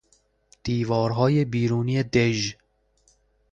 دیوارهای بیرونی دژ